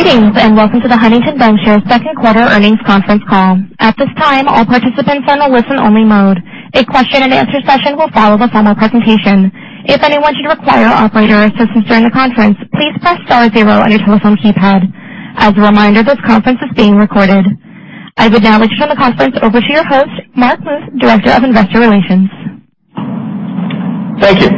Greetings, welcome to the Huntington Bancshares second quarter earnings conference call. At this time, all participants are in a listen-only mode. A question and answer session will follow the formal presentation. If anyone should require operator assistance during the conference, please press star zero on your telephone keypad. As a reminder, this conference is being recorded. I would now like to turn the conference over to your host, Mark Muth, Director of Investor Relations. Thank you.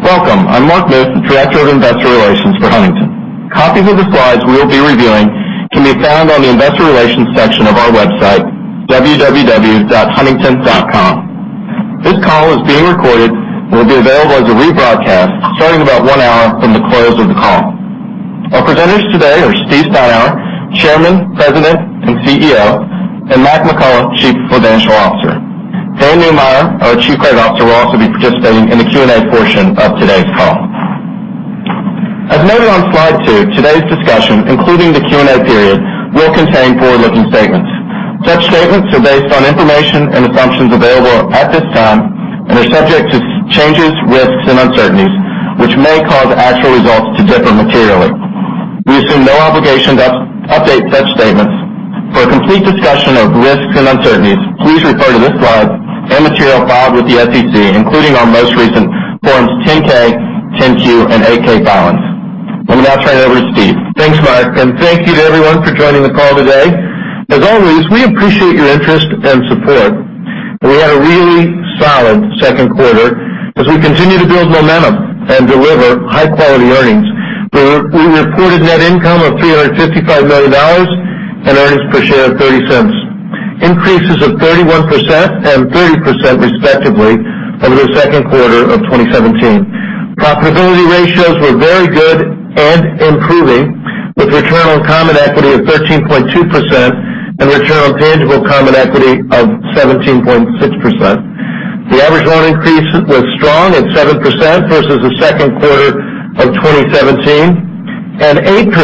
Welcome. I'm Mark Muth, Director of Investor Relations for Huntington. Copies of the slides we will be reviewing can be found on the investor relations section of our website, www.huntington.com. This call is being recorded and will be available as a rebroadcast starting about one hour from the close of the call. Our presenters today are Steve Steinour, Chairman, President, and CEO, and Mac McCullough, Chief Financial Officer. Dan Neumeyer, our Chief Credit Officer, will also be participating in the Q&A portion of today's call. As noted on slide two, today's discussion, including the Q&A period, will contain forward-looking statements. Such statements are based on information and assumptions available at this time and are subject to changes, risks, and uncertainties, which may cause actual results to differ materially. We assume no obligation to update such statements. For a complete discussion of risks and uncertainties, please refer to this slide and material filed with the SEC, including our most recent Forms 10-K, 10-Q, and 8-K filings. Let me now turn it over to Steve. Thanks, Mark, thank you to everyone for joining the call today. As always, we appreciate your interest and support. We had a really solid second quarter as we continue to build momentum and deliver high-quality earnings. We reported net income of $355 million and earnings per share of $0.30, increases of 31% and 30%, respectively, over the second quarter of 2017. Profitability ratios were very good and improving, with return on common equity of 13.2% and return on tangible common equity of 17.6%. The average loan increase was strong at 7% versus the second quarter of 2017 and 8%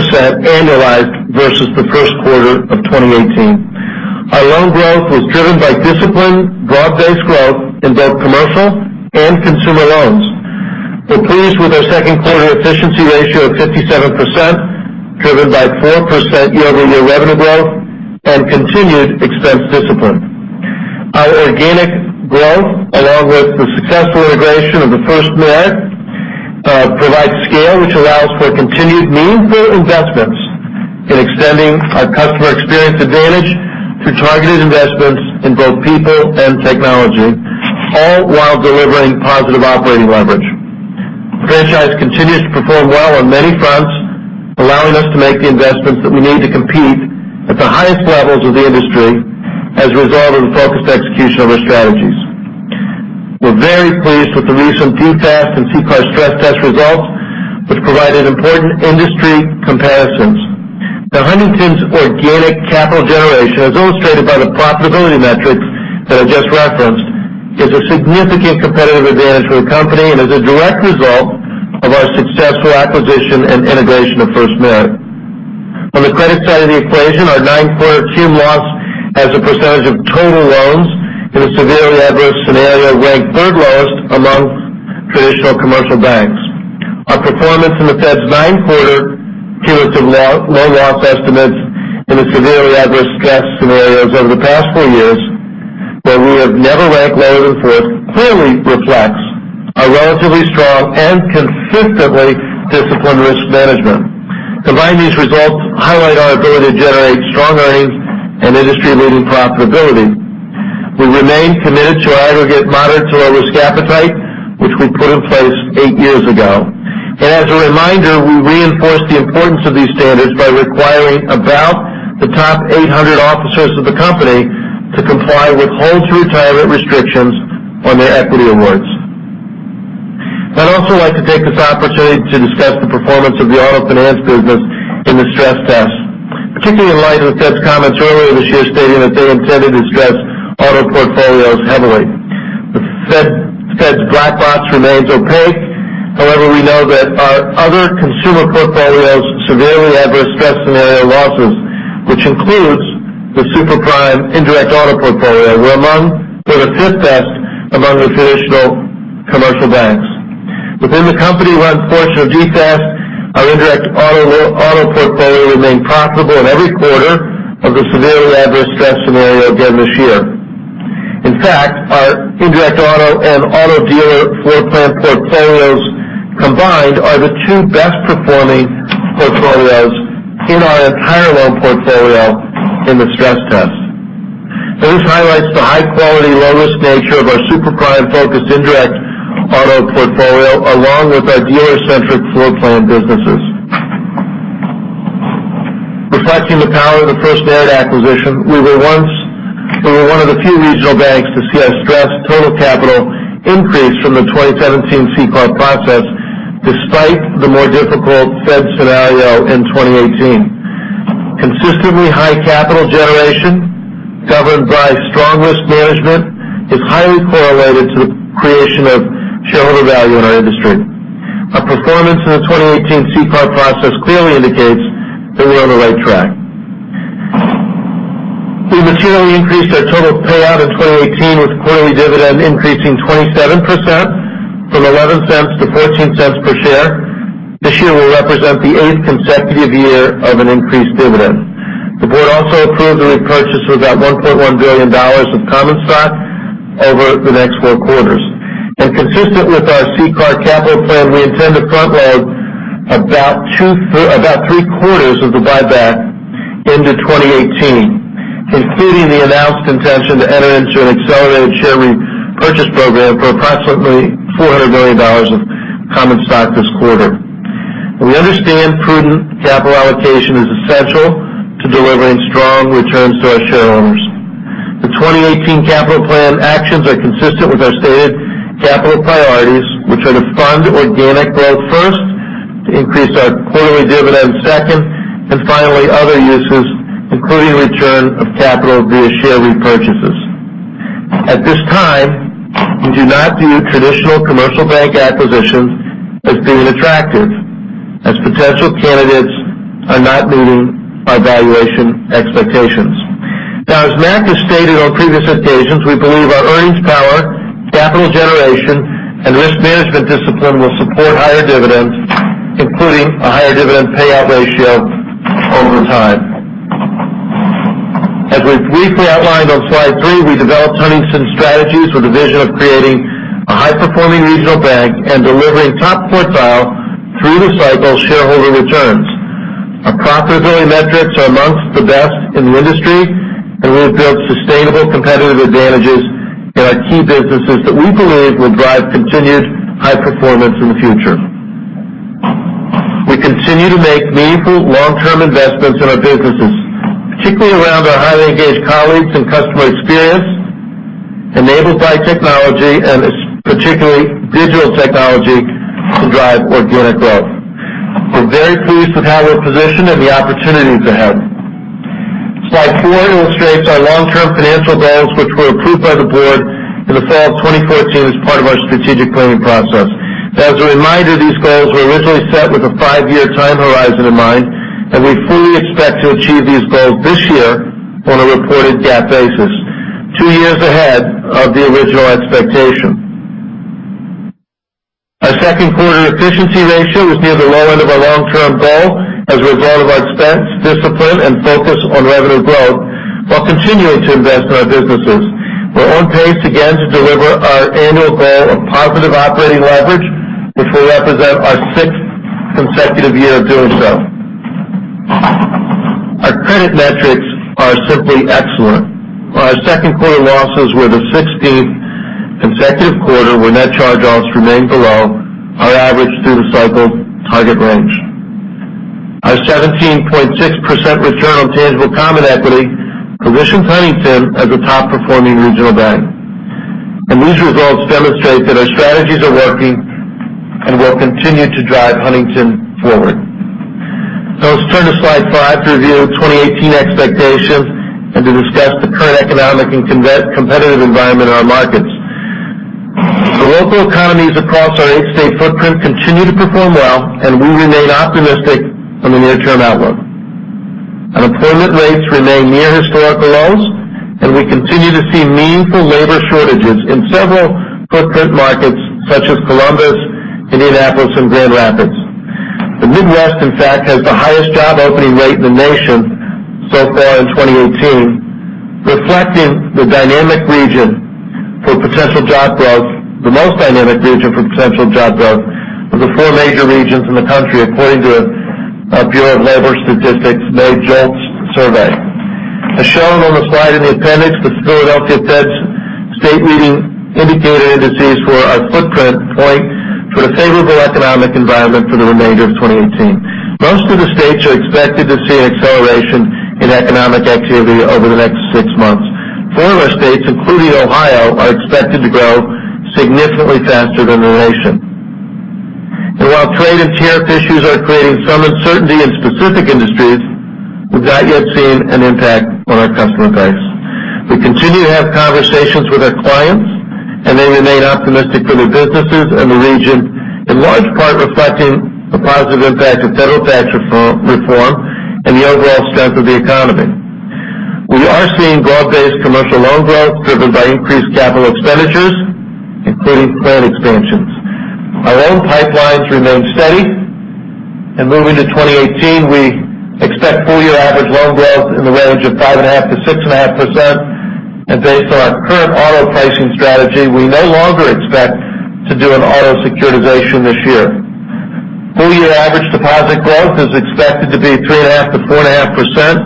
annualized versus the first quarter of 2018. Our loan growth was driven by disciplined, broad-based growth in both commercial and consumer loans. We're pleased with our second quarter efficiency ratio of 57%, driven by 4% year-over-year revenue growth and continued expense discipline. Our organic growth, along with the successful integration of FirstMerit, provides scale, which allows for continued meaningful investments in extending our customer experience advantage through targeted investments in both people and technology, all while delivering positive operating leverage. The franchise continues to perform well on many fronts, allowing us to make the investments that we need to compete at the highest levels of the industry as a result of the focused execution of our strategies. We're very pleased with the recent DFAST and CCAR stress test results, which provided important industry comparisons. Huntington's organic capital generation, as illustrated by the profitability metrics that I just referenced, is a significant competitive advantage for the company and is a direct result of our successful acquisition and integration of FirstMerit. On the credit side of the equation, our nine-quarter cum loss as a percentage of total loans in a severely adverse scenario ranked third lowest amongst traditional commercial banks. Our performance in the Fed's nine-quarter cumulative loan loss estimates in the severely adverse stress scenarios over the past four years, where we have never ranked lower than fourth, clearly reflects a relatively strong and consistently disciplined risk management. Combined, these results highlight our ability to generate strong earnings and industry-leading profitability. We remain committed to our aggregate moderate-tier risk appetite, which we put in place eight years ago. As a reminder, we reinforce the importance of these standards by requiring about the top 800 officers of the company to comply with hold-to-retirement restrictions on their equity awards. I'd also like to take this opportunity to discuss the performance of the auto finance business in the stress test, particularly in light of the Fed's comments earlier this year stating that they intended to stress auto portfolios heavily. The Fed's black box remains opaque. However, we know that our other consumer portfolios' severely adverse stress scenario losses, which includes the super prime indirect auto portfolio, were among the fifth best among the traditional commercial banks. Within the company-run portion of DFAST, our indirect auto portfolio remained profitable in every quarter of the severely adverse stress scenario again this year. In fact, our indirect auto and auto dealer floor plan portfolios combined are the two best-performing portfolios in our entire loan portfolio in the stress test. This highlights the high-quality, low-risk nature of our super prime-focused indirect auto portfolio, along with our dealer-centric floor plan businesses. Reflecting the power of the FirstMerit acquisition, we were one of the few regional banks to see our stress total capital increase from the 2017 CCAR process despite the more difficult Fed scenario in 2018. Consistently high capital generation governed by strong risk management is highly correlated to the creation of shareholder value in our industry. Our performance in the 2018 CCAR process clearly indicates that we're on the right track. We materially increased our total payout in 2018 with quarterly dividend increasing 27%, from $0.11 to $0.14 per share. This year will represent the eighth consecutive year of an increased dividend. The board also approved a repurchase of about $1.1 billion of common stock over the next four quarters. Consistent with our CCAR capital plan, we intend to front-load about three-quarters of the buyback into 2018, including the announced intention to enter into an accelerated share repurchase program for approximately $400 million of common stock this quarter. We understand prudent capital allocation is essential to delivering strong returns to our shareholders. The 2018 capital plan actions are consistent with our stated capital priorities, which are to fund organic growth first, to increase our quarterly dividend second, and finally, other uses, including return of capital via share repurchases. At this time, we do not view traditional commercial bank acquisitions as being attractive, as potential candidates are not meeting our valuation expectations. As Mac has stated on previous occasions, we believe our earnings power, capital generation, and risk management discipline will support higher dividends, including a higher dividend payout ratio over time. As we've briefly outlined on slide three, we developed Huntington's strategies with a vision of creating a high-performing regional bank and delivering top quartile through-the-cycle shareholder returns. Our profitability metrics are amongst the best in the industry, and we've built sustainable competitive advantages in our key businesses that we believe will drive continued high performance in the future. We continue to make meaningful long-term investments in our businesses, particularly around our highly engaged colleagues and customer experience, enabled by technology and particularly digital technology to drive organic growth. We're very pleased with how we're positioned and the opportunities ahead. Slide four illustrates our long-term financial goals, which were approved by the board in the fall of 2014 as part of our strategic planning process. As a reminder, these goals were originally set with a five-year time horizon in mind, and we fully expect to achieve these goals this year on a reported GAAP basis, two years ahead of the original expectation. Our second quarter efficiency ratio was near the low end of our long-term goal as a result of our expense, discipline, and focus on revenue growth, while continuing to invest in our businesses. We're on pace again to deliver our annual goal of positive operating leverage, which will represent our sixth consecutive year of doing so. Our credit metrics are simply excellent. Our second quarter losses were the 16th consecutive quarter where net charge-offs remained below our average through-the-cycle target range. Our 17.6% return on tangible common equity positions Huntington as a top-performing regional bank. These results demonstrate that our strategies are working and will continue to drive Huntington forward. Let's turn to slide five to review 2018 expectations and to discuss the current economic and competitive environment in our markets. The local economies across our eight-state footprint continue to perform well, and we remain optimistic on the near-term outlook. Unemployment rates remain near historical lows, and we continue to see meaningful labor shortages in several footprint markets such as Columbus, Indianapolis, and Grand Rapids. The Midwest, in fact, has the highest job opening rate in the nation so far in 2018, reflecting the most dynamic region for potential job growth of the four major regions in the country, according to a Bureau of Labor Statistics May JOLTS survey. As shown on the slide in the appendix, the Philadelphia Fed's state reading indicator indices for our footprint point to a favorable economic environment for the remainder of 2018. Most of the states are expected to see an acceleration in economic activity over the next six months. Four of our states, including Ohio, are expected to grow significantly faster than the nation. While trade and tariff issues are creating some uncertainty in specific industries, we've not yet seen an impact on our customer base. We continue to have conversations with our clients, and they remain optimistic for their businesses and the region, in large part reflecting the positive impact of federal tax reform and the overall strength of the economy. We are seeing growth-based commercial loan growth driven by increased capital expenditures, including plant expansions. Our own pipelines remain steady. Moving to 2018, we expect full-year average loan growth in the range of 5.5%-6.5%. Based on our current auto pricing strategy, we no longer expect to do an auto securitization this year. Full-year average deposit growth is expected to be 3.5%-4.5%,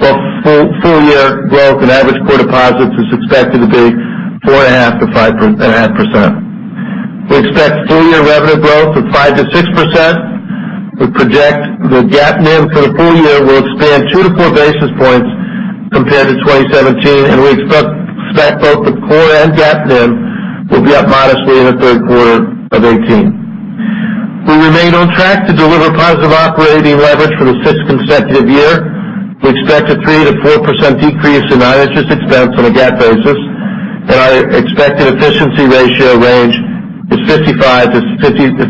while full-year growth in average core deposits is expected to be 4.5%-5.5%. We expect full-year revenue growth of 5%-6%. We project the GAAP NIM for the full year will expand two to four basis points compared to 2017, and we expect both the core and GAAP NIM will be up modestly in the third quarter of 2018. We remain on track to deliver positive operating leverage for the sixth consecutive year. We expect a 3%-4% decrease in non-interest expense on a GAAP basis. Our expected efficiency ratio range is 55.5%-56.5%,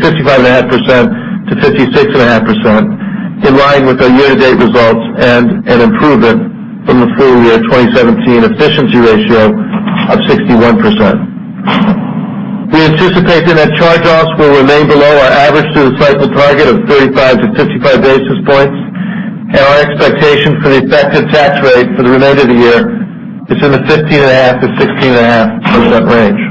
in line with our year-to-date results and an improvement from the full year 2017 efficiency ratio of 61%. We anticipate that net charge-offs will remain below our average through the cycle target of 35-55 basis points, and our expectation for the effective tax rate for the remainder of the year is in the 15.5%-16.5% range.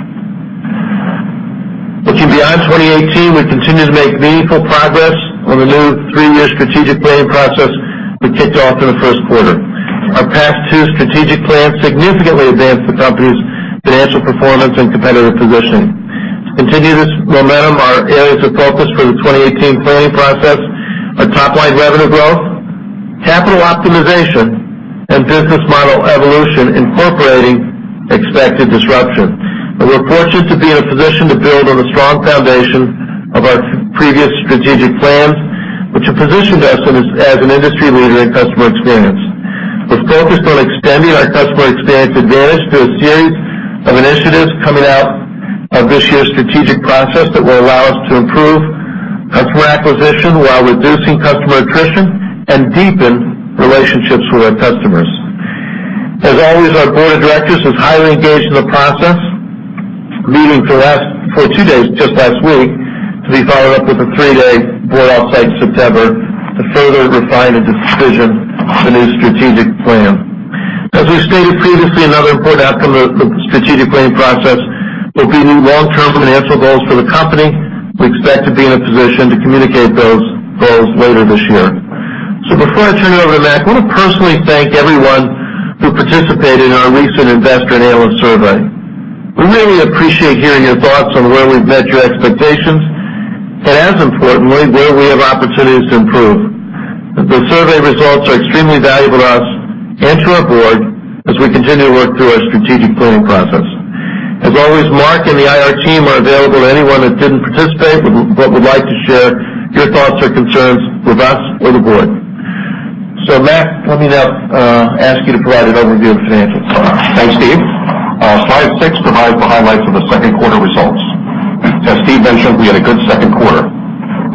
Looking beyond 2018, we continue to make meaningful progress on the new three-year strategic planning process we kicked off in the first quarter. Our past two strategic plans significantly advanced the company's financial performance and competitive positioning. To continue this momentum, our areas of focus for the 2018 planning process are top line revenue growth, capital optimization, and business model evolution incorporating expected disruption. We're fortunate to be in a position to build on the strong foundation of our previous strategic plans, which have positioned us as an industry leader in customer experience. We're focused on extending our customer experience advantage through a series of initiatives coming out of this year's strategic process that will allow us to improve customer acquisition while reducing customer attrition and deepen relationships with our customers. As always, our board of directors is highly engaged in the process, meeting for two days just last week, to be followed up with a three-day board offsite in September to further refine and decision the new strategic plan. As we stated previously, another important outcome of the strategic planning process will be new long-term financial goals for the company. We expect to be in a position to communicate those goals later this year. Before I turn it over to Mac, I want to personally thank everyone who participated in our recent investor and analyst survey. We really appreciate hearing your thoughts on where we've met your expectations, and as importantly, where we have opportunities to improve. The survey results are extremely valuable to us and to our board as we continue to work through our strategic planning process. As always, Mark and the IR team are available to anyone that didn't participate but would like to share your thoughts or concerns with us or the board. Mac, let me now ask you to provide an overview of the financials. Thanks, Steve. Slide six provides the highlights of the second quarter results. As Steve mentioned, we had a good second quarter.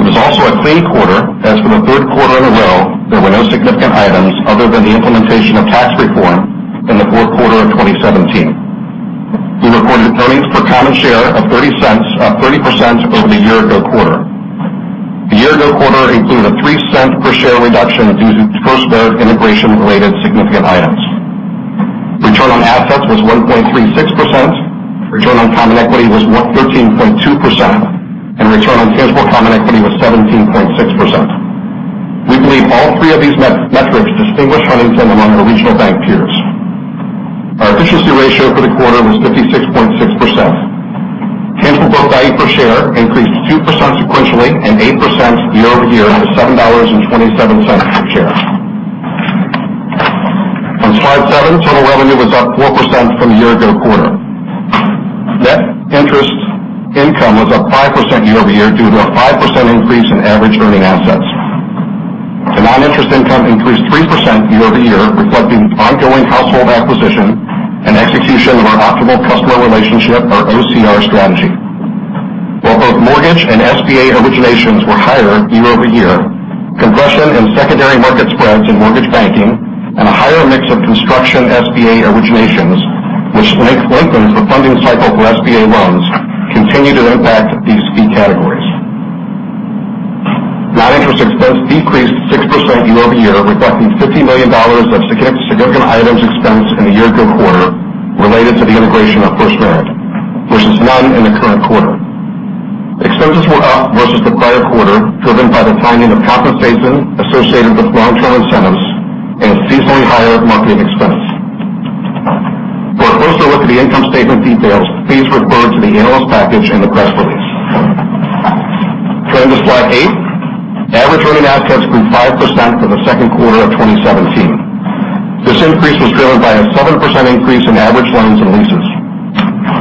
It was also a clean quarter, as for the third quarter in a row, there were no significant items other than the implementation of tax reform in the fourth quarter of 2017. We recorded earnings per common share of $0.30 over the year ago quarter. The year ago quarter included a $0.03 per share reduction due to FirstMerit integration-related significant items. Return on assets was 1.36%. Return on common equity was 13.2%, and return on tangible common equity was 17.6%. We believe all three of these metrics distinguish Huntington among our regional bank peers. Our efficiency ratio for the quarter was 56.6%. Tangible book value per share increased 2% sequentially and 8% year over year to $7.27 per share. On slide seven, total revenue was up 4% from the year ago quarter. Net interest income was up 5% year over year due to a 5% increase in average earning assets. Non-interest income increased 3% year over year, reflecting ongoing household acquisition and execution of our optimal customer relationship, or OCR strategy. While both mortgage and SBA originations were higher year over year, compression and secondary market spreads in mortgage banking and a higher mix of construction SBA originations, which lengthens the funding cycle for SBA loans, continue to impact these fee categories. Non-interest expense decreased 6% year over year, reflecting $50 million of significant items expense in the year ago quarter related to the integration of FirstMerit, versus none in the current quarter. Expenses were up versus the prior quarter, driven by the timing of compensation associated with long-term incentives and a seasonally higher marketing expense. For a closer look at the income statement details, please refer to the analyst package and the press release. Turning to slide eight, average earning assets grew 5% for the second quarter of 2017. This increase was driven by a 7% increase in average loans and leases.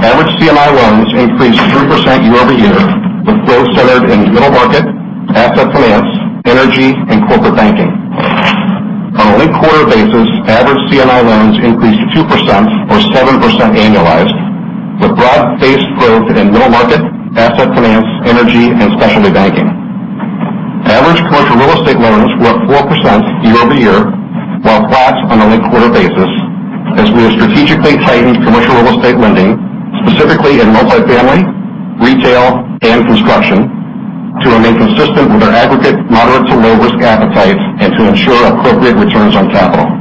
Average C&I loans increased 3% year over year, with growth centered in middle market, asset finance, energy, and corporate banking. On a linked-quarter basis, average C&I loans increased 2%, or 7% annualized, with broad-based growth in middle market, asset finance, energy, and specialty banking. Average commercial real estate loans were up 4% year over year, while flat on a linked-quarter basis, as we have strategically tightened commercial real estate lending, specifically in multi-family, retail, and construction, to remain consistent with our aggregate moderate to low risk appetite and to ensure appropriate returns on capital.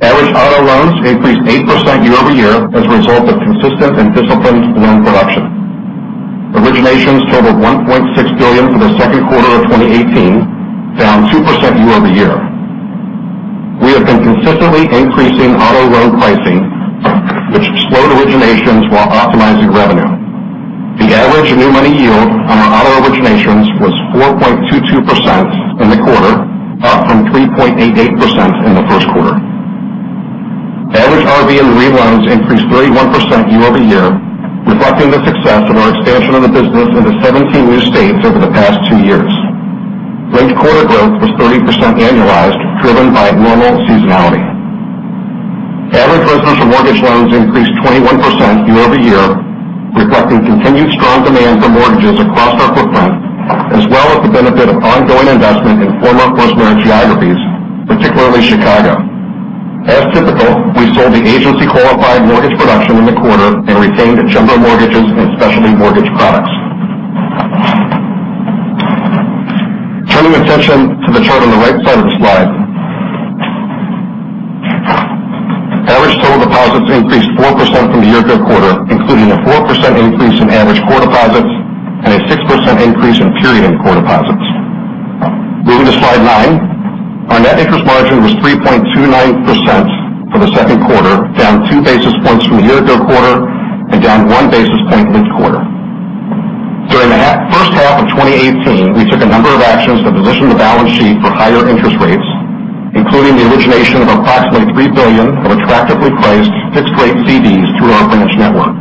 Average auto loans increased 8% year-over-year as a result of consistent and disciplined loan production. Originations totaled $1.6 billion for the second quarter of 2018, down 2% year-over-year. We have been consistently increasing auto loan pricing, which slowed originations while optimizing revenue. The average new money yield on our auto originations was 4.22% in the quarter, up from 3.88% in the first quarter. Average RV and marine loans increased 31% year-over-year, reflecting the success of our expansion of the business into 17 new states over the past two years. Late quarter growth was 30% annualized, driven by normal seasonality. Average residential mortgage loans increased 21% year-over-year, reflecting continued strong demand for mortgages across our footprint, as well as the benefit of ongoing investment in former FirstMerit geographies, particularly Chicago. As typical, we sold the agency-qualified mortgage production in the quarter and retained the jumbo mortgages and specialty mortgage products. Turning attention to the chart on the right side of the slide. Average total deposits increased 4% from the year ago quarter, including a 4% increase in average core deposits and a 6% increase in period core deposits. Moving to slide nine. Our net interest margin was 3.29% for the second quarter, down two basis points from the year ago quarter and down one basis point quarter-over-quarter. During the first half of 2018, we took a number of actions to position the balance sheet for higher interest rates, including the origination of approximately $3 billion of attractively priced fixed-rate CDs through our branch network.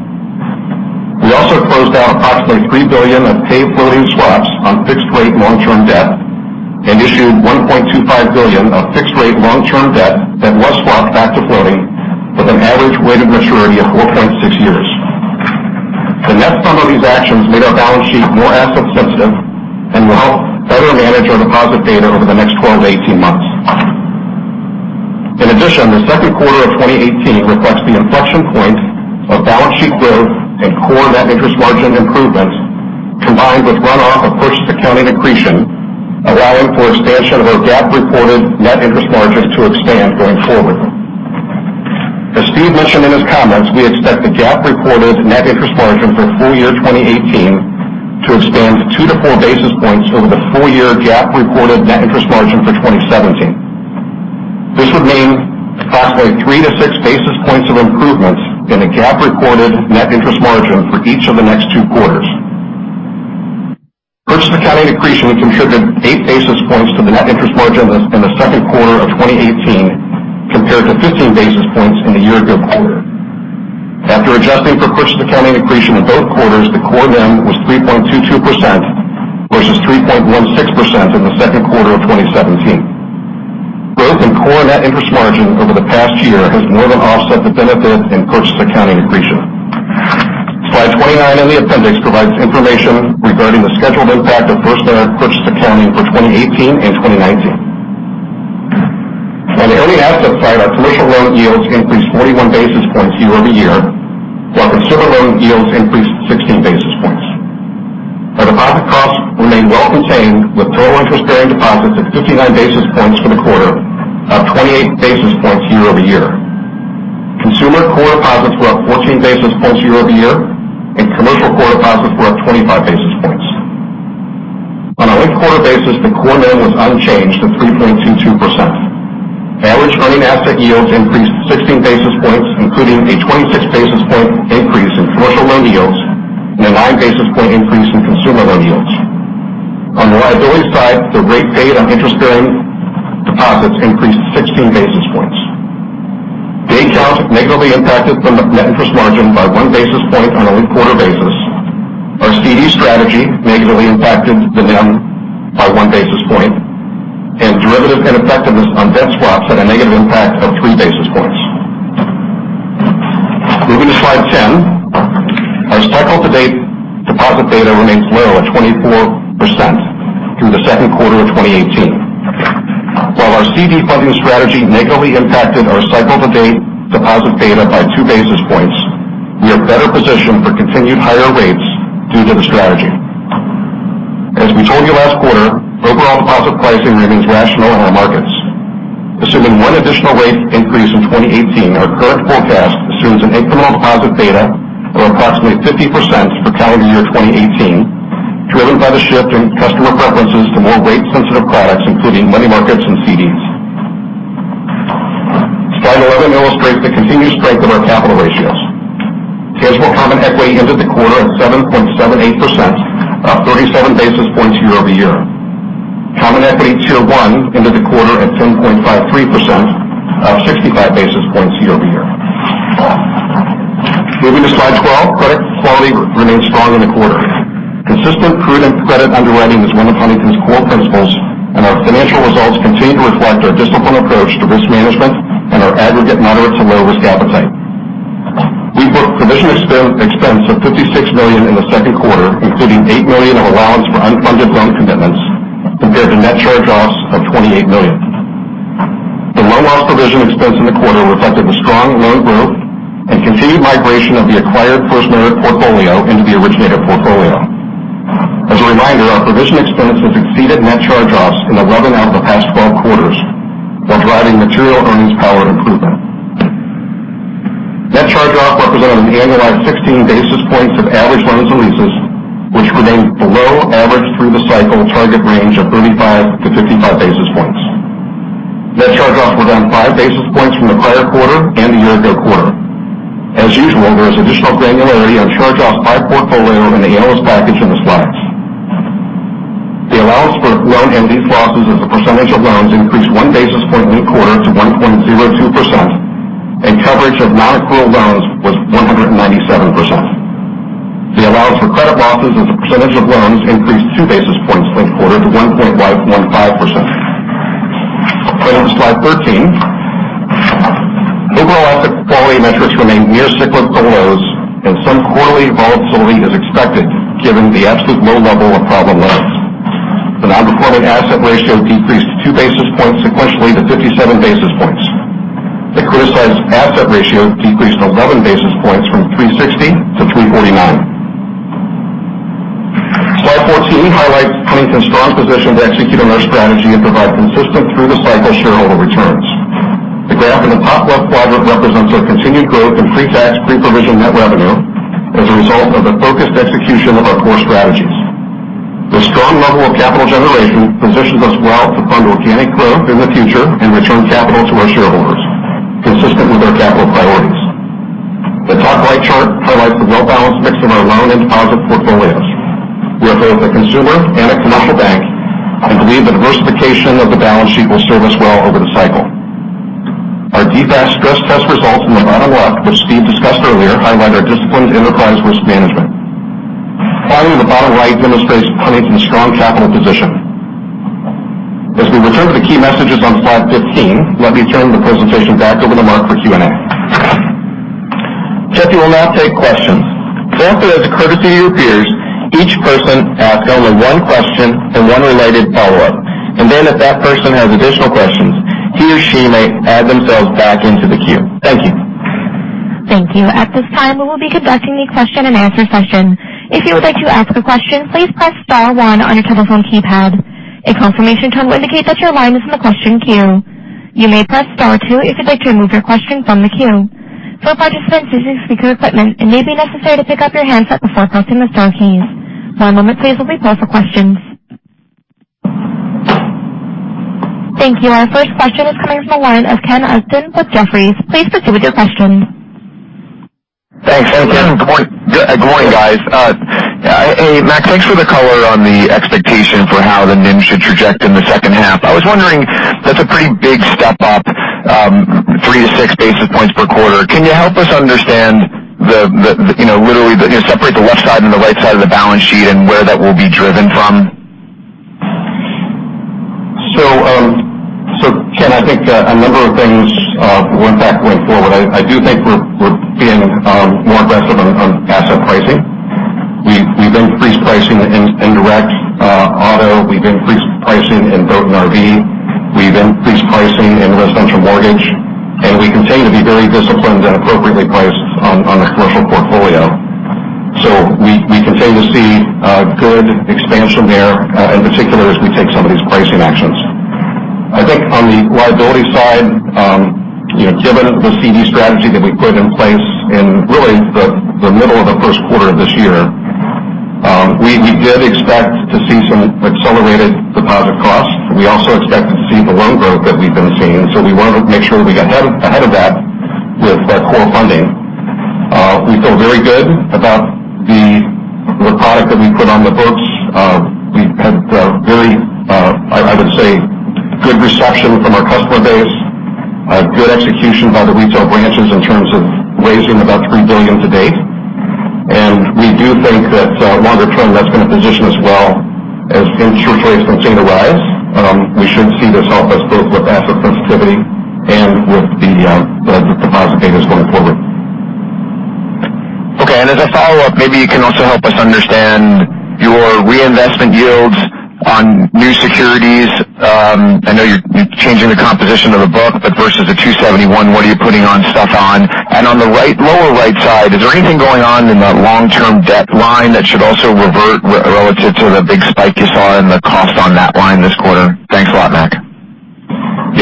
We also closed out approximately $3 billion of pay floating swaps on fixed rate long-term debt and issued $1.25 billion of fixed rate long-term debt that was swapped back to floating with an average weighted maturity of 4.6 years. The net sum of these actions made our balance sheet more asset sensitive and will help better manage our deposit beta over the next 12 to 18 months. In addition, the second quarter of 2018 reflects the inflection point of balance sheet growth and core net interest margin improvement, combined with runoff of purchase accounting accretion, allowing for expansion of our GAAP reported net interest margin to expand going forward. As Steve mentioned in his comments, we expect the GAAP reported net interest margin for full year 2018 to expand two to four basis points over the full year GAAP reported net interest margin for 2017. This would mean approximately three to six basis points of improvement in a GAAP recorded net interest margin for each of the next two quarters. Purchase accounting accretion contributed eight basis points to the net interest margin in the second quarter of 2018, compared to 15 basis points in the year ago quarter. After adjusting for purchase accounting accretion in both quarters, the core NIM was 3.22% versus 3.16% in the second quarter of 2017. Growth in core net interest margin over the past year has more than offset the benefit in purchase accounting accretion. Slide 29 in the appendix provides information regarding the scheduled impact of FirstMerit purchase accounting for 2018 and 2019. On the earning asset side, our commercial loan yields increased 41 basis points year-over-year, while consumer loan yields increased 16 basis points. Our deposit costs remain well contained, with total interest-bearing deposits at 59 basis points for the quarter, up 28 basis points year-over-year. Consumer core deposits were up 14 basis points year-over-year, and commercial core deposits were up 25 basis points. On a linked quarter basis, the core NIM was unchanged at 3.22%. Average earning asset yields increased 16 basis points, including a 26 basis point increase in commercial loan yields and a nine basis point increase in consumer loan yields. On the liability side, the rate paid on interest-bearing deposits increased 16 basis points. Big accounts negatively impacted the net interest margin by one basis point on a linked quarter basis. Our CD strategy negatively impacted the NIM by one basis point, and derivative ineffectiveness on debt swaps had a negative impact of three basis points. Moving to slide 10. Our cycle-to-date deposit beta remains low at 24% through the second quarter of 2018. While our CD funding strategy negatively impacted our cycle-to-date deposit beta by two basis points, we are better positioned for continued higher rates due to the strategy. As we told you last quarter, overall deposit pricing remains rational in our markets. Assuming one additional rate increase in 2018, our current forecast assumes an incremental deposit beta of approximately 50% for calendar year 2018, driven by the shift in customer preferences to more rate sensitive products, including money markets and CDs. Slide 11 illustrates the continued strength of our capital ratios. Tangible common equity ended the quarter at 7.78%, up 37 basis points year-over-year. Common equity tier 1 ended the quarter at 10.53%, up 65 basis points year-over-year. Moving to slide 12. Credit quality remains strong in the quarter. Consistent prudent credit underwriting is one of Huntington's core principles, and our financial results continue to reflect our disciplined approach to risk management and our aggregate moderate to low risk appetite. We booked provision expense of $56 million in the second quarter, including $8 million of allowance for unfunded loan commitments, compared to net charge-offs of $28 million. The loan loss provision expense in the quarter reflected the strong loan growth and continued migration of the acquired FirstMerit portfolio into the originator portfolio. As a reminder, our provision expense has exceeded net charge-offs in 11 out of the past 12 quarters while driving material earnings power improvement. Net charge-off represented an annualized 16 basis points of average loans and leases, which remains below average through the cycle target range of 35 to 55 basis points. Net charge-offs were down five basis points from the prior quarter and the year-ago quarter. As usual, there is additional granularity on charge-offs by portfolio in the analyst package in the slides. The allowance for loan and lease losses as a percentage of loans increased one basis point linked quarter to 1.02%, and coverage of non-accrual loans was 197%. The allowance for credit losses as a percentage of loans increased two basis points from quarter to 1.15%. Going to slide 13. Overall, asset quality metrics remain near cyclical lows, and some quarterly volatility is expected given the absolute low level of problem loans. The non-performing asset ratio decreased two basis points sequentially to 57 basis points. The criticized asset ratio decreased 11 basis points from 360 to 349. Slide 14 highlights Huntington's strong position to execute on our strategy and provide consistent through the cycle shareholder returns. The graph in the top left quadrant represents our continued growth in pre-tax, pre-provision net revenue as a result of the focused execution of our core strategies. The strong level of capital generation positions us well to fund organic growth in the future and return capital to our shareholders consistent with our capital priorities. The top right chart highlights the well-balanced mix of our loan and deposit portfolios. We are both a consumer and a commercial bank. I believe the diversification of the balance sheet will serve us well over the cycle. Our DFAST stress test results in the bottom left, which Steve discussed earlier, highlight our disciplined enterprise risk management. Finally, the bottom right demonstrates Huntington's strong capital position. As we return to the key messages on slide 15, let me turn the presentation back over to Mark for Q&A. Jeff, you will now take questions. We ask that as a courtesy to your peers, each person ask only one question and one related follow-up, and then if that person has additional questions, he or she may add themselves back into the queue. Thank you. Thank you. At this time, we will be conducting a question and answer session. If you would like to ask a question, please press star one on your telephone keypad. A confirmation tone will indicate that your line is in the question queue. You may press star two if you'd like to remove your question from the queue. For participants using speaker equipment, it may be necessary to pick up your handset before pressing the star keys. One moment please while we pause for questions. Thank you. Our first question is coming from the line of Ken Usdin with Jefferies. Please proceed with your question. Thanks. Good morning, guys. Mac, thanks for the color on the expectation for how the NIM should traject in the second half. I was wondering, that's a pretty big step up, three to six basis points per quarter. Can you help us understand the, literally, separate the left side and the right side of the balance sheet, and where that will be driven from? Ken, I think a number of things will impact going forward. I do think we're being more aggressive on asset pricing. We've increased pricing in direct auto. We've increased pricing in boat and RV. We've increased pricing in residential mortgage, and we continue to be very disciplined and appropriately priced on the commercial portfolio. We continue to see good expansion there, in particular as we take some of these pricing actions. I think on the liability side, given the CD strategy that we put in place in really the middle of the first quarter of this year, we did expect to see some accelerated deposit costs. We also expected to see the loan growth that we've been seeing. We want to make sure we get ahead of that with our core funding. We feel very good about the product that we put on the books. We've had very, I would say, good reception from our customer base, good execution by the retail branches in terms of raising about $3 billion to date. We do think that longer term, that's going to position us well as interest rates continue to rise. We should see this help us both with asset sensitivity and with the deposit betas going forward. Okay, as a follow-up, maybe you can also help us understand your reinvestment yields on new securities. I know you're changing the composition of the book, but versus the 271, what are you putting on stuff on? On the lower right side, is there anything going on in the long-term debt line that should also revert relative to the big spike you saw in the costs on that line this quarter? Thanks a lot, Mac. We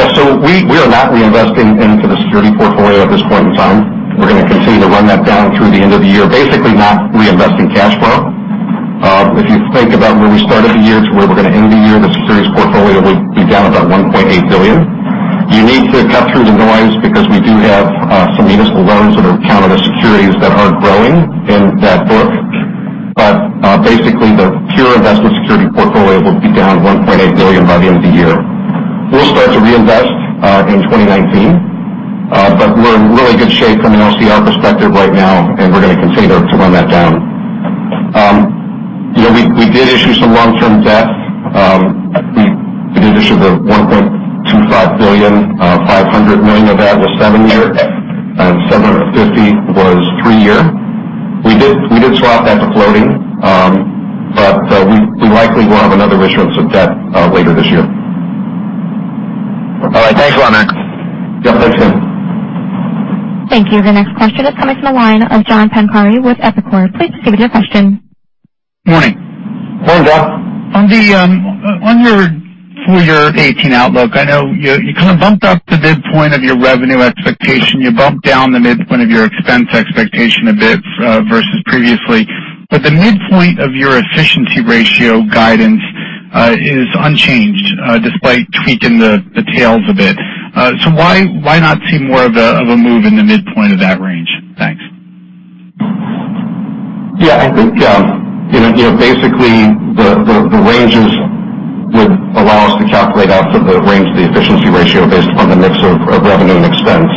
are not reinvesting into the security portfolio at this point in time. We're going to continue to run that down through the end of the year. Basically not reinvesting cash flow. If you think about where we started the year to where we're going to end the year, the securities portfolio will be down about $1.8 billion. You need to cut through the noise because we do have some municipal loans that are counted as securities that aren't growing in that book. Basically, the pure investment security portfolio will be down $1.8 billion by the end of the year. We'll start to reinvest in 2019. We're in really good shape from an LCR perspective right now, and we're going to continue to run that down. We did issue some long-term debt. We did issue the $1.25 billion. $500 million of that was 7-year and $750 was 3-year. We did swap that to floating. We likely will have another issuance of debt later this year. All right. Thanks a lot, Mac. Yeah. Thanks, Ken. Thank you. The next question is coming from the line of John Pancari with Evercore. Please proceed with your question. Morning. Morning, John. On your full year 2018 outlook, I know you kind of bumped up the midpoint of your revenue expectation. You bumped down the midpoint of your expense expectation a bit versus previously. The midpoint of your efficiency ratio guidance is unchanged despite tweaking the tails a bit. Why not see more of a move in the midpoint of that range? Thanks. I think basically the ranges would allow us to calculate out the range of the efficiency ratio based upon the mix of revenue and expense.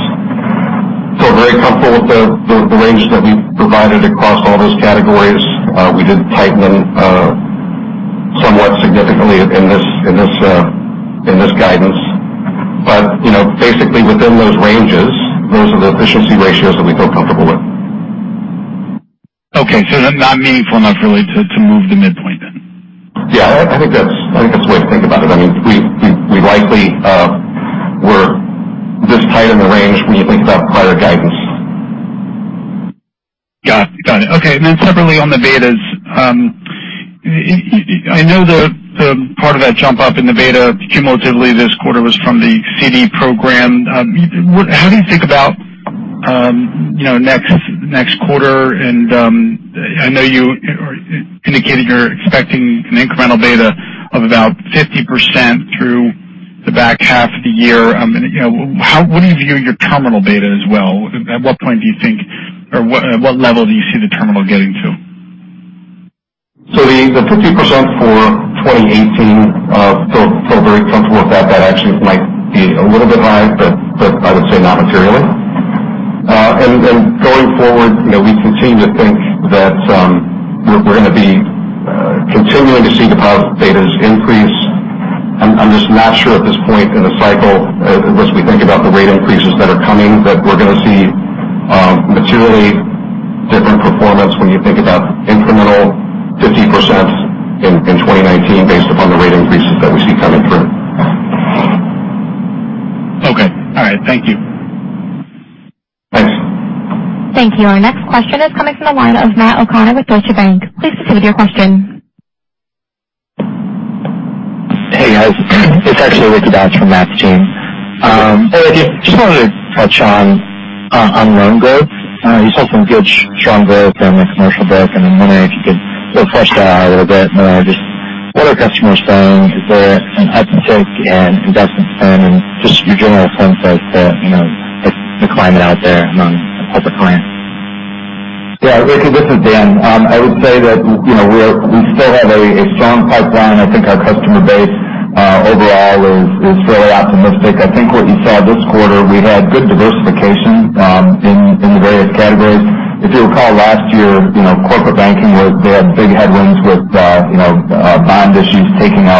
We're very comfortable with the range that we've provided across all those categories. We did tighten them somewhat significantly in this guidance. Basically within those ranges, those are the efficiency ratios that we feel comfortable with. Okay. Not meaningful enough really to move the midpoint then? Yeah, I think that's the way to think about it. We likely were this tight in the range when you think about prior guidance. Got it. Okay, separately on the betas. I know that part of that jump up in the beta cumulatively this quarter was from the CD program. How do you think about next quarter? I know you indicated you're expecting an incremental beta of about 50% through the back half of the year. What do you view your terminal beta as well? At what point do you think, or at what level do you see the terminal getting to? The 50% for 2018, feel very comfortable with that. That actually might be a little bit high, but I would say not materially. Going forward, we continue to think that we're going to be continuing to see deposit betas increase. I'm just not sure at this point in the cycle, as we think about the rate increases that are coming, that we're going to see materially different performance when you think about incremental 50% in 2019 based upon the rate increases that we see coming through. Okay. All right. Thank you. Thanks. Thank you. Our next question is coming from the line of Matt O'Connor with Deutsche Bank. Please proceed with your question. Hey, guys. It's actually Ricky Dodds from Matt's team. Hey, Ricky. Just wanted to touch on loan growth. You saw some good, strong growth in the commercial bank and in money. If you could flesh that out a little bit more. Just what are customers doing? Is there an uptick in investment spending? Just your general sense as to the climate out there among corporate clients. Ricky, this is Dan. I would say that we still have a strong pipeline. I think our customer base overall is fairly optimistic. I think what you saw this quarter, we had good diversification in the various categories. If you recall last year, corporate banking, they had big headwinds with bond issues, taking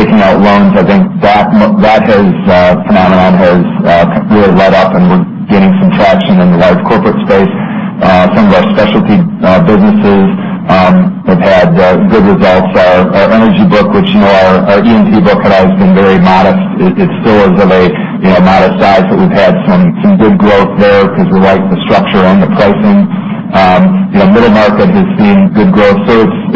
out loans. I think that phenomenon has really let up, and we're gaining some traction in the large corporate space. Some of our specialty businesses have had good results. Our energy book, which our E&P book had always been very modest. It still is of a modest size, but we've had some good growth there because we like the structure and the pricing. Middle market has seen good growth.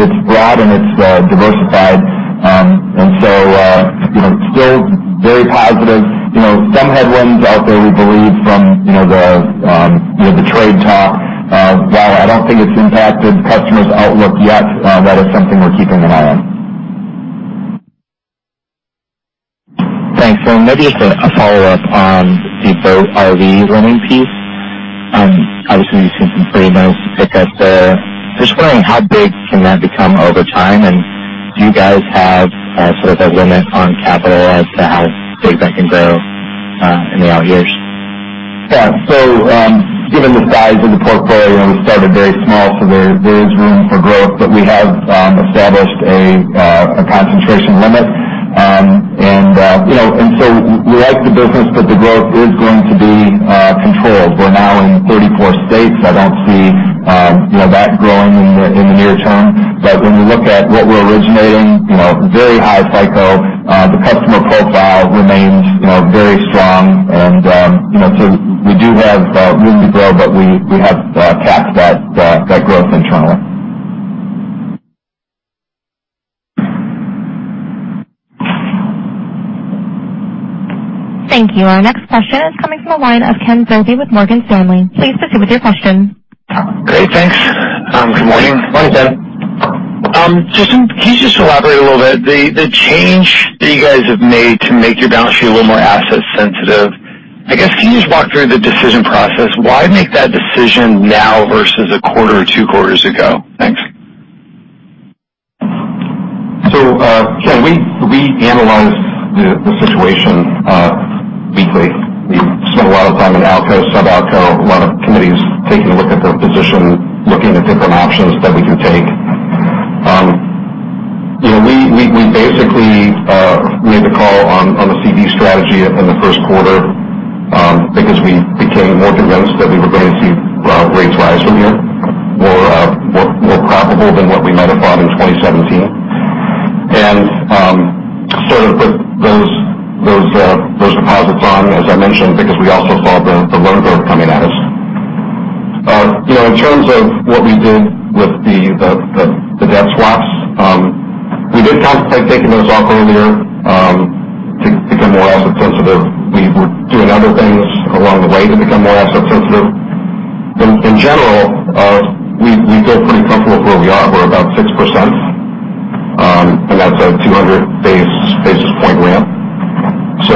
It's broad, and it's diversified. It's still very positive. Some headwinds out there we believe from the trade talk. While I don't think it's impacted customers' outlook yet, that is something we're keeping an eye on. Thanks. Maybe just a follow-up on the boat RV lending piece. Obviously, you've seen some pretty nice pickup there. Just wondering how big can that become over time, and do you guys have sort of a limit on capital as to how big that can grow in the out years? Yeah. Given the size of the portfolio, we started very small, so there is room for growth. We have established a concentration limit. We like the business, but the growth is going to be controlled. We're now in 34 states. I don't see that growing in the near term. When we look at what we're originating, very high FICO. The customer profile remains very strong. We do have room to grow, but we have capped that growth internally. Thank you. Our next question is coming from the line of Kenneth Zerbe with Morgan Stanley. Please proceed with your question. Great, thanks. Good morning. Morning, Ken. Can you just elaborate a little bit, the change that you guys have made to make your balance sheet a little more asset sensitive? I guess can you just walk through the decision process? Why make that decision now versus a quarter or two quarters ago? Thanks. Ken, we analyze the situation weekly. We've spent a lot of time in ALCO, Sub-ALCO, a lot of committees taking a look at their position, looking at different options that we can take. We basically made the call on the CD strategy in the first quarter because we became more convinced that we were going to see rates rise from here, more probable than what we might have thought in 2017. Sort of put those deposits on, as I mentioned, because we also saw the loan growth coming at us. In terms of what we did with the debt swaps, we did contemplate taking those off earlier to become more asset sensitive. We were doing other things along the way to become more asset sensitive. In general, we feel pretty comfortable with where we are. We're about 6%, and that's a 200 basis point ramp. We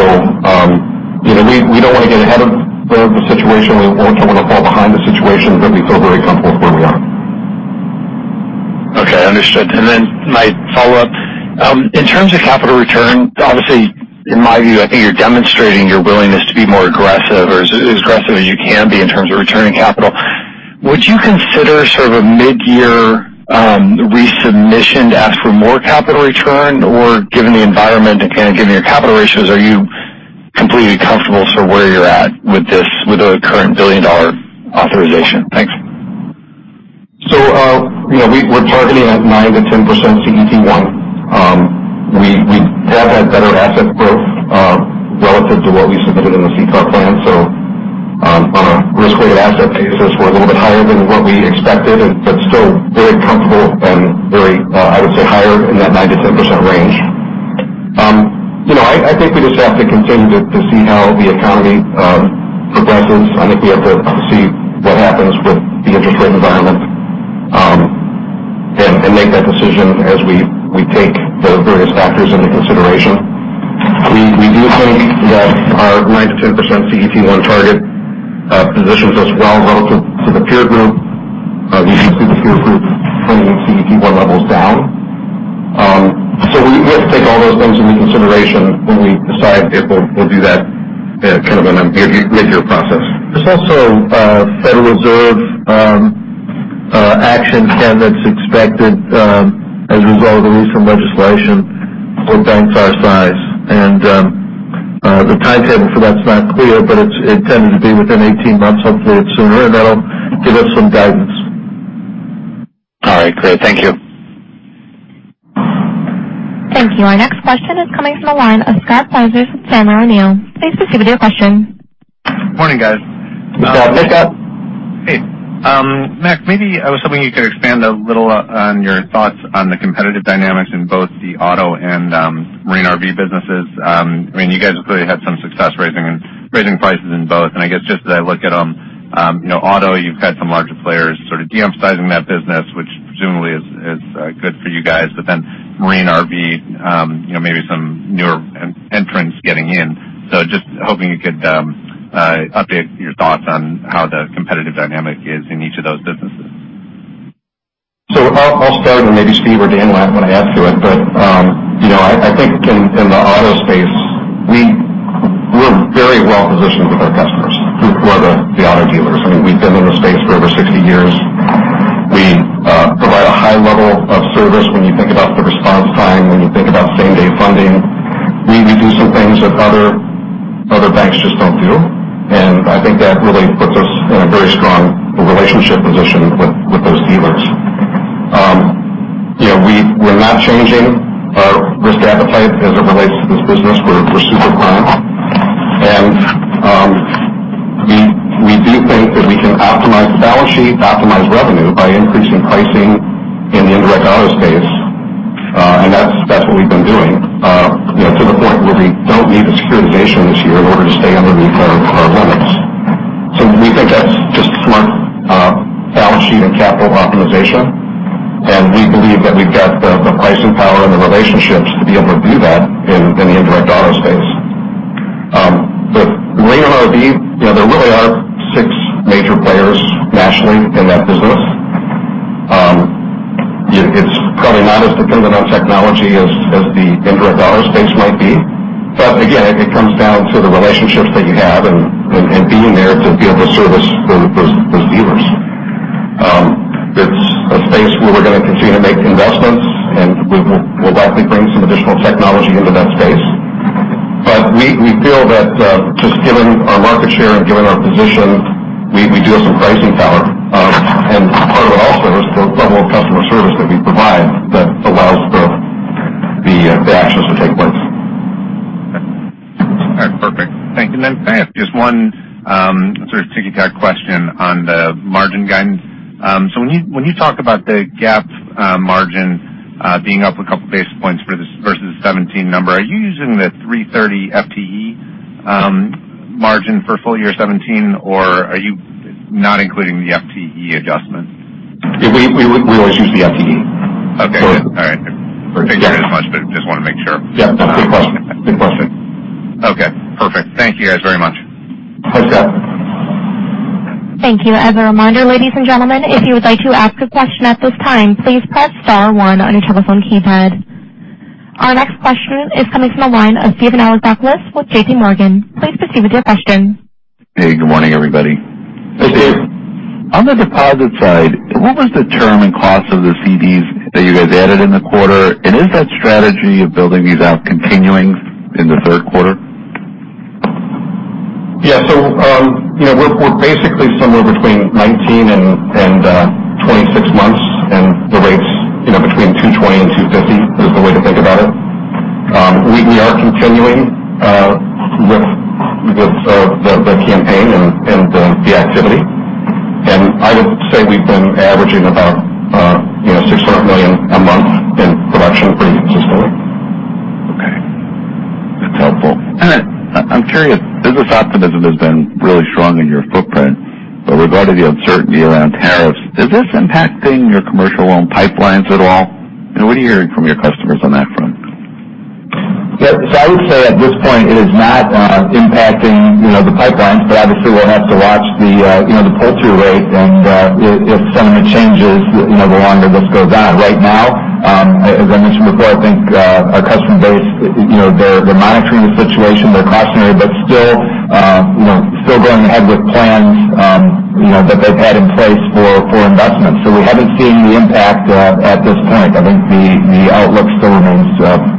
don't want to get ahead of the situation or kind of fall behind the situation, we feel very comfortable with where we are. Okay, understood. My follow-up, in terms of capital return, obviously in my view, I think you're demonstrating your willingness to be more aggressive or as aggressive as you can be in terms of returning capital. Would you consider sort of a mid-year resubmission to ask for more capital return? Given the environment and kind of given your capital ratios, are you completely comfortable sort of where you're at with the current $1 billion authorization? Thanks. We're targeting at 9%-10% CET1. We have had better asset growth relative to what we submitted in the CCAR plan. Our risk-weighted asset paces were a little bit higher than what we expected, but still very comfortable and very, I would say, higher in that 9%-10% range. I think we just have to continue to see how the economy progresses. I think we have to see what happens with the interest rate environment and make that decision as we take the various factors into consideration. We do think that our 9%-10% CET1 target positions us well relative to the peer group. We do see the peer group bringing CET1 levels down. We have to take all those things into consideration when we decide if we'll do that in kind of a mid-year process. There's also Federal Reserve action that's expected as a result of the recent legislation for banks our size. The timetable for that's not clear, but it tended to be within 18 months. Hopefully it's sooner, that'll give us some guidance. All right, great. Thank you. Thank you. Our next question is coming from the line of Scott Siefers with Sandler O'Neill. Please proceed with your question. Morning, guys. Hey, Scott. Hey. Mac, maybe I was hoping you could expand a little on your thoughts on the competitive dynamics in both the auto and marine RV businesses. You guys have clearly had some success raising prices in both, I guess just as I look at them, auto, you've had some larger players sort of de-emphasizing that business, which presumably is good for you guys. Then marine RV, maybe some newer entrants getting in. Just hoping you could update your thoughts on how the competitive dynamic is in each of those businesses. I'll start and maybe Steve or Dan want to add to it. I think in the auto space, we're very well positioned with our customers who are the auto dealers. We've been in the space for over 60 years. We provide a high level of service when you think about the response time, when you think about same-day funding. We do some things that other banks just don't do, and I think that really puts us in a very strong relationship position with those dealers. We're not changing our risk appetite as it relates to this business. We're super proud. We do think that we can optimize the balance sheet, optimize revenue by increasing pricing in the indirect auto space, and that's what we've been doing to the point where we don't need the securitization this year in order to stay underneath our limits. We think that's just smart balance sheet and capital optimization, and we believe that we've got the pricing power and the relationships to be able to do that in the indirect auto space. Marine RV, there really are six major players nationally in that business. It's probably not as dependent on technology as the indirect auto space might be. Again, it comes down to the relationships that you have and being there to be able to service those dealers. It's a space where we're going to continue to make investments, and we'll likely bring some additional technology into that space. We feel that just given our market share and given our position, we do have some pricing power. Part of it also is the level of customer service that we provide that allows the actions to take place. All right. Perfect. Thank you. Can I ask just one sort of ticky-tack question on the margin guidance? When you talk about the GAAP margin being up a couple basis points versus the 2017 number, are you using the 330 FTE margin for full year 2017, or are you not including the FTE adjustment? We always use the FTE. Okay. All right. Yeah. Thank you very much. Just want to make sure. Yeah. Good question. Okay, perfect. Thank you guys very much. Thanks, Scott. Thank you. As a reminder, ladies and gentlemen, if you would like to ask a question at this time, please press *1 on your telephone keypad. Our next question is coming from the line of Steven Alexopoulos with JPMorgan. Please proceed with your question. Hey, good morning, everybody. Hey, Steve. On the deposit side, what was the term and cost of the CDs that you guys added in the quarter? Is that strategy of building these out continuing in the third quarter? Yeah. We're basically somewhere between 19 and 26 months, and the rates between 220 and 250 is the way to think about it. We are continuing with the campaign and the activity. I would say we've been averaging about $600 million a month in production pretty consistently. Okay. That's helpful. I'm curious, business optimism has been really strong in your footprint. With regard to the uncertainty around tariffs, is this impacting your commercial loan pipelines at all? What are you hearing from your customers on that front? Yeah. I would say at this point, it is not impacting the pipelines. Obviously, we'll have to watch the pull-through rate and if something changes, the longer this goes on. Right now, as I mentioned before, I think our customer base, they're monitoring the situation. They're cautionary, but still going ahead with plans that they've had in place for investments. We haven't seen the impact at this point. I think the outlook still remains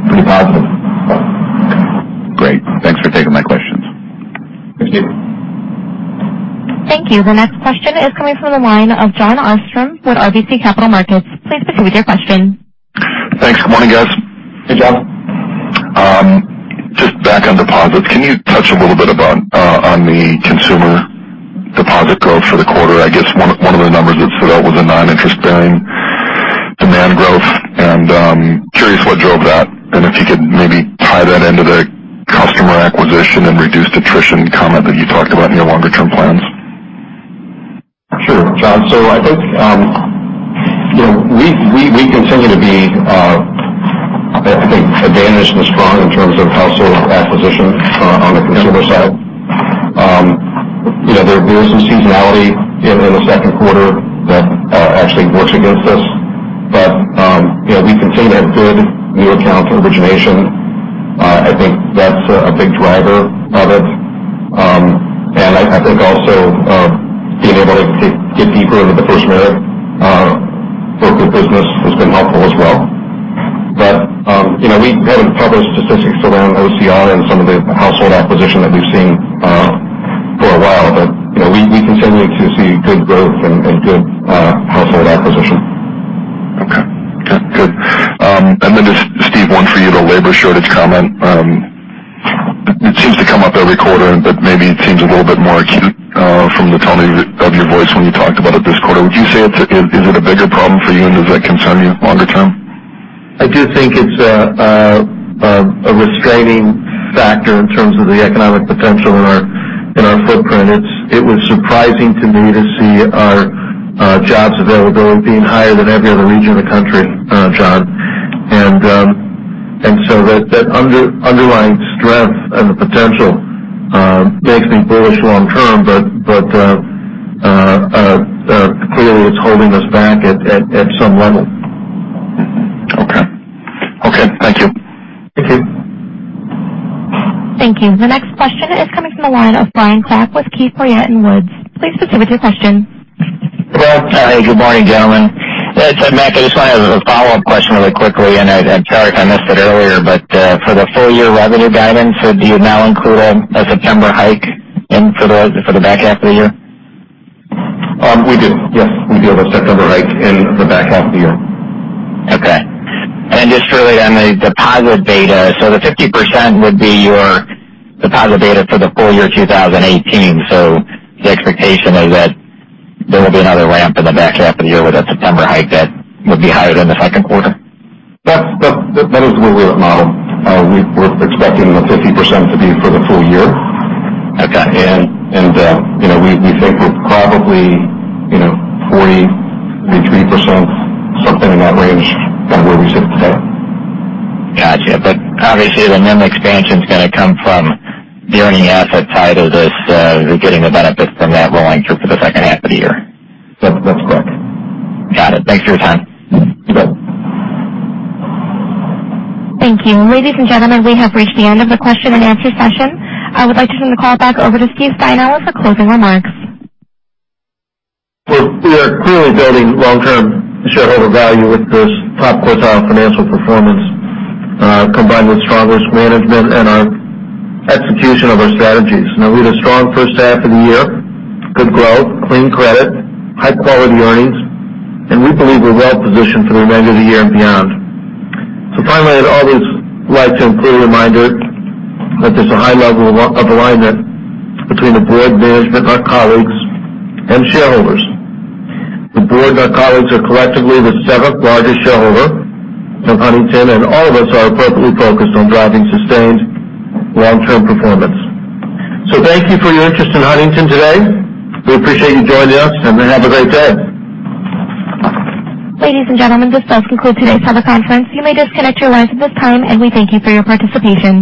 pretty positive. Great. Thanks for taking my questions. Thank you. Thank you. The next question is coming from the line of Jon Arfstrom with RBC Capital Markets. Please proceed with your question. Thanks. Good morning, guys. Hey, Jon. Just back on deposits. Can you touch a little bit on the consumer deposit growth for the quarter? I guess one of the numbers that stood out was the non-interest-bearing demand growth. Curious what drove that, and if you could maybe tie that into the customer acquisition and reduced attrition comment that you talked about in your longer-term plans. Sure, Jon. I think we continue to be, I think, advantaged and strong in terms of household acquisition on the consumer side. There is some seasonality in the second quarter that actually works against us. We continue to have good new accounts origination. I think that's a big driver of it. I think also being able to get deeper into the FirstMerit corporate business has been helpful as well. We haven't published statistics around OCR and some of the household acquisition that we've seen for a while. We continue to see good growth and good household acquisition. Okay. Good. Then just Steve, one for you, the labor shortage comment. It seems to come up every quarter, maybe it seems a little bit more acute from the tone of your voice when you talked about it this quarter. Is it a bigger problem for you, and does that concern you longer term? I do think it's a restraining factor in terms of the economic potential in our footprint. It was surprising to me to see our jobs availability being higher than every other region of the country, Jon. That underlying strength and the potential makes me bullish long term, clearly it's holding us back at some level. Okay. Thank you. Thank you. Thank you. The next question is coming from the line of Brian Klock with Keefe, Bruyette & Woods. Please proceed with your question. Well, good morning, gentlemen. Yeah, Mac, I just want to ask a follow-up question really quickly, and sorry, I missed it earlier, but for the full-year revenue guidance, do you now include a September hike in for the back half of the year? We do. Yes. We do have a September hike in the back half of the year. Okay. Just related on the deposit beta. The 50% would be your deposit beta for the full year 2018. The expectation is that there will be another ramp in the back half of the year with that September hike that would be higher than the second quarter? That is the way we modeled. We're expecting the 50% to be for the full year. Okay. We think that probably 43%, something in that range, kind of where we sit today. Got you. Obviously, the NIM expansion's going to come from the earning asset side of this, getting the benefit from that rolling through for the second half of the year. That's correct. Got it. Thanks for your time. You bet. Thank you. Ladies and gentlemen, we have reached the end of the question and answer session. I would like to turn the call back over to Steve Steinour for closing remarks. We are clearly building long-term shareholder value with this top quartile financial performance, combined with strong risk management and our execution of our strategies. We had a strong first half of the year, good growth, clean credit, high-quality earnings, and we believe we're well-positioned for the remainder of the year and beyond. Finally, I'd always like to include a reminder that there's a high level of alignment between the board, management, our colleagues, and shareholders. The board and our colleagues are collectively the seventh largest shareholder of Huntington, and all of us are appropriately focused on driving sustained long-term performance. Thank you for your interest in Huntington today. We appreciate you joining us, and have a great day. Ladies and gentlemen, this does conclude today's conference call. You may disconnect your lines at this time, and we thank you for your participation.